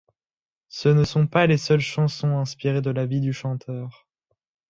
Ce ne sont pas les seules chansons inspirée de la vie du chanteur.